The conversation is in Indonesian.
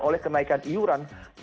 oleh kenaikan iuran